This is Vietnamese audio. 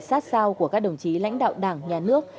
sát sao của các đồng chí lãnh đạo đảng nhà nước